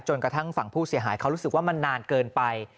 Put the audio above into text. กระทั่งฝั่งผู้เสียหายเขารู้สึกว่ามันนานเกินไป